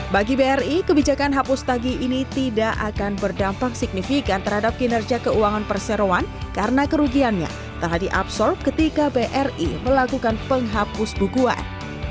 bagi bri kebijakan hapus tagih ini tidak akan berdampak signifikan terhadap kinerja keuangan perseroan karena kerugiannya telah diabsorb ketika bri melakukan penghapus bukuan